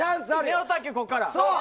ネオ卓球、ここから。